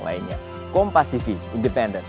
dari jam dua bisa di sini